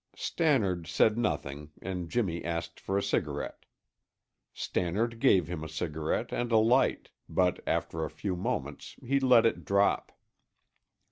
Stannard said nothing and Jimmy asked for a cigarette. Stannard gave him a cigarette and a light, but after a few moments he let it drop.